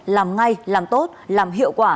làm ngay làm tốt làm hiệu quả